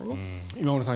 今村さん